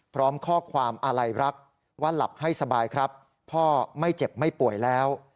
พร้อมข้อความอาลัยรักว่าหลับให้สบายครับพ่อไม่เจ็บไม่ป่วยแล้ว